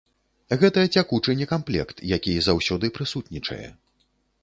Гэта цякучы некамплект, які заўсёды прысутнічае.